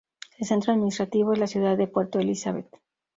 El centro administrativo es la ciudad de Puerto Elizabeth.